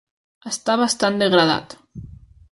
Està bastant degradat.